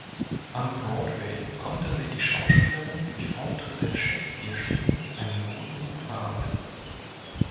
Am Broadway konnte sich die Schauspielerin durch Auftritte in Shakespeare-Stücken einen guten Ruf erarbeiten.